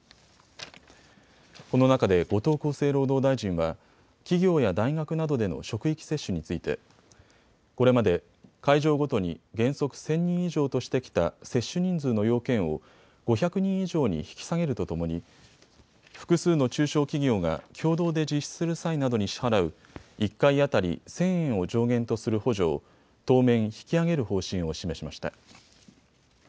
この中で後藤厚生労働大臣は企業や大学などでの職域接種についてこれまで会場ごとに原則１０００人以上としてきた接種人数の要件を５００人以上に引き下げるとともに複数の中小企業が共同で実施する際などに支払う１回当たり１０００円を上限とする補助を当面、引き上げる方針を示しました。